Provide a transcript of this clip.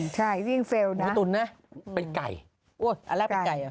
ใช่ยิ่งเฟลลนะหมูตุ๋นนะเป็นไก่โอ้ยอันแรกเป็นไก่อ่ะ